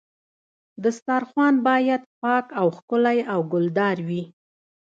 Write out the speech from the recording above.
دسترخوان باید پاک او ښکلی او ګلدار وي.